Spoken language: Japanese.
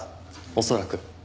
恐らく。